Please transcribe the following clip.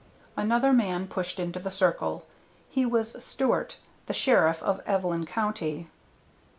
Another man pushed into the circle. He was Stewart, the sheriff of Evelyn County.